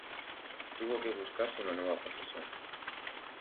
Tuvo que buscarse una nueva profesión.